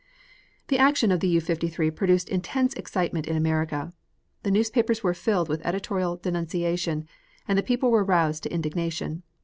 The action of the U 53 produced intense excitement in America. The newspapers were filled with editorial denunciation, and the people were roused to indignation.